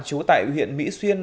chú tại huyện mỹ xuyên